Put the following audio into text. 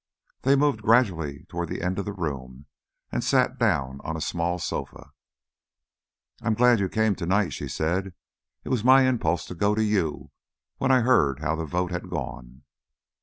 They moved gradually toward the end of the room and sat down on a small sofa. "I am glad you came to night," she said. "It was my impulse to go to you when I heard how the vote had gone."